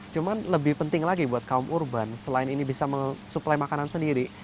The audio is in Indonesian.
cuma lebih penting lagi buat kaum urban selain ini bisa mensuplai makanan sendiri